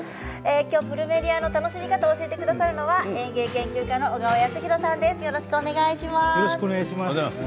プルメリアの楽しみ方を教えてくださるのは園芸研究家の小川恭弘さんです。